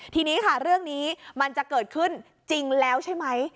ทีนี้ค่ะเรื่องนี้มันจะเกิดขึ้นจริงแล้วใช่ไหม